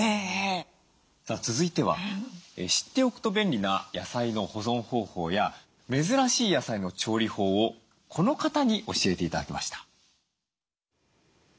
さあ続いては知っておくと便利な野菜の保存方法や珍しい野菜の調理法をこの方に教えて頂きました。